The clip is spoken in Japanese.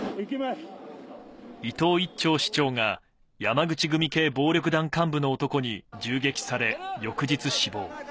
伊藤一長市長が、山口系暴力団幹部の男に銃撃され、翌日死亡。